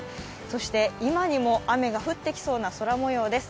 そして、今にも雨が降ってきそうな空もようです。